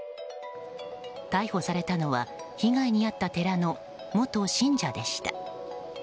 逮捕されたのは被害に遭った寺の元信者でした。